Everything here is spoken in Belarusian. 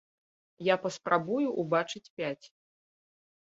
Я паспрабую ўбачыць пяць.